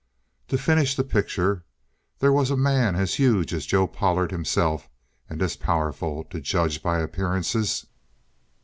To finish the picture, there was a man as huge as Joe Pollard himself, and as powerful, to judge by appearances.